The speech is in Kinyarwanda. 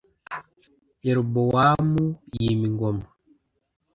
yerobowamu h yima ingoma